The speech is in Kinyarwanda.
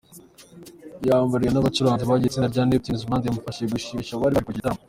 Yaririmbanye n’abacuranzi bagize itsinda rya Neptunez band ryamufashije gushimisha abari baje kureba igitaramo.